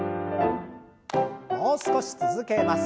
もう少し続けます。